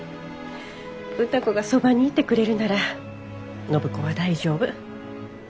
歌子がそばにいてくれるなら暢子は大丈夫。